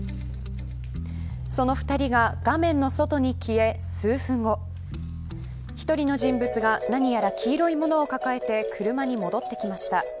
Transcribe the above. その２人が、画面の外に消え数分後１人の人物が、何やら黄色いものを抱えて車に戻ってきました。